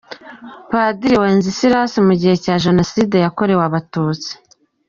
Padiri Wencekalas mu gihe cya Jenoside yakorewe Abatutsi.